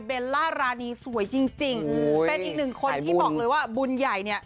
ล่ารานีสวยจริงเป็นอีกหนึ่งคนที่บอกเลยว่าบุญใหญ่เนี่ย